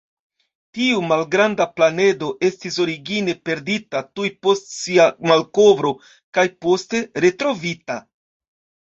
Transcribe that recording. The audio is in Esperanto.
Tiu malgranda planedo estis origine perdita tuj post sia malkovro kaj poste retrovita.